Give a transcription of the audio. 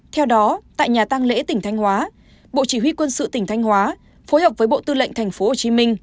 theo đó tại nhà tăng lễ tỉnh thanh hóa bộ chỉ huy quân sự tỉnh thanh hóa phối hợp với bộ tư lệnh tp hcm